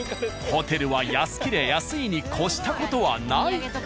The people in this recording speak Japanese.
ホテルは安けりゃ安いに越した事はない。